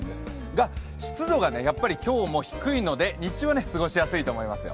が、湿度が今日も低いので日中は過ごしやすいと思いますよ。